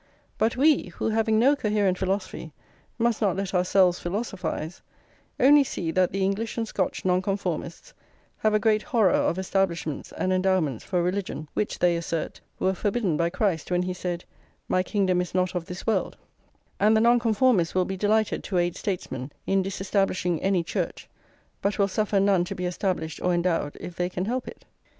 But we, who, having no coherent philosophy, must not let ourselves philosophise, only see that the English and Scotch Nonconformists have a great horror of establishments and endowments for religion, which, they assert, were forbidden by Christ when he said: "My kingdom is not of this world;"+ and that the Nonconformists will be delighted to aid statesmen in disestablishing any church, but will suffer none to be established or endowed if they can help it.